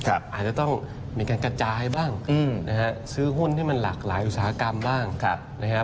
อาจจะต้องมีการกระจายบ้างซื้อหุ้นให้มันหลากหลายอุตสาหกรรมบ้างนะฮะ